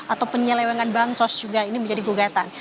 atau penyelewengan bansos juga ini menjadi gugatan